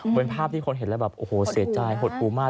เหมือนภาพที่คนเห็นแล้วแบบโอ้โหเสียใจหดหูมาก